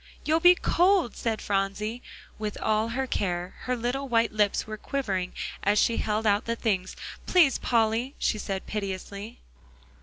"You'll be cold," said Phronsie. With all her care, her little white lips were quivering as she held out the things. "Please, Polly," she said piteously.